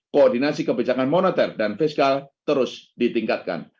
koordinasi kebijakan moneter dan fiskal terus ditingkatkan